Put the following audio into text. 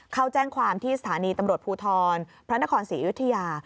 เข้าแจ้งความที่สถานีตำรวจภูทรพระนครศรีอยุธยา